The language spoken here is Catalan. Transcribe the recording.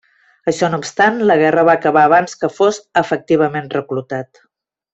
Això no obstant, la guerra va acabar abans que fos efectivament reclutat.